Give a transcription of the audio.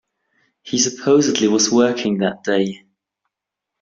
He supposedly was working that day.